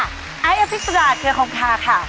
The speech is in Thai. ไอ้อภิกษาลาฯเครื่องของขาค่ะ